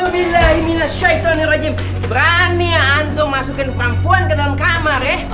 berani ya antung masukin perempuan ke dalam kamar ya